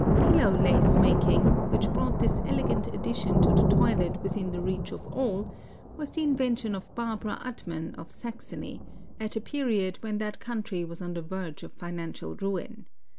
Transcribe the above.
Pillow lace making, which brought this elegant addition to the toilet within the reach of all, was the invention of Barbara Uttmann, of Saxony, at a period when that country was on the verge of financial ruin.